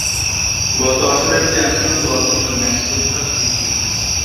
গত আসরের চ্যাম্পিয়ন দল ছিলো ম্যানচেস্টার সিটি।